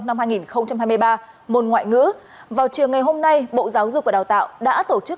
năm hai nghìn hai mươi ba môn ngoại ngữ vào chiều ngày hôm nay bộ giáo dục và đào tạo đã tổ chức